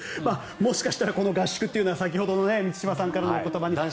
もしかしたらこの合宿というのは先ほど満島さんからもありましたが。